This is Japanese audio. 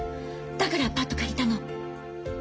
だからアパート借りたの。